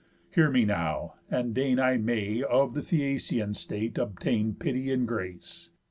Hear yet now, and deign I may of the Phæacian state obtain Pity, and grace."